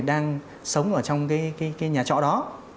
đang sống ở trong cái nhà trọ đó